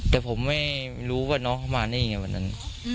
แต่ผมไม่รู้ว่าน้องเขามาได้ยังไงวันนั้น